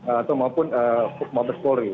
atau maupun mabes polri